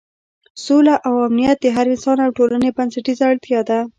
سوله او امنیت د هر انسان او ټولنې بنسټیزه اړتیا ده.